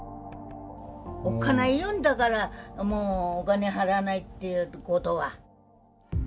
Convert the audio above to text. おっかないよ、だから、もうお金払えないっていうことは。